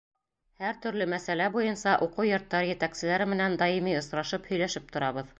Һәр төрлө мәсьәлә буйынса уҡыу йорттары етәкселәре менән даими осрашып, һөйләшеп торабыҙ.